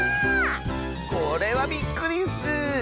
これはびっくりッス！